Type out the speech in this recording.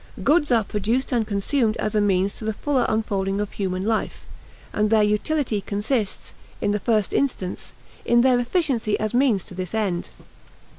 Goods are produced and consumed as a means to the fuller unfolding of human life; and their utility consists, in the first instance, in their efficiency as means to this end.